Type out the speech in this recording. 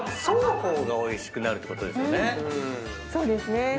双方がおいしくなるってことですよね。